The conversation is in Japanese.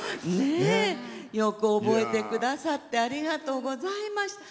よく覚えてくださってありがとうございました。